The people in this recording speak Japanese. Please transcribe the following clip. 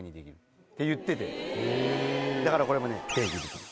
だからこれもうねできる。